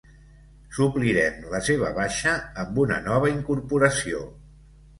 Suplirem la seva baixa amb una nova incorporació.